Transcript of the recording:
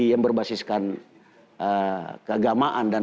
yang berbasiskan keagamaan dan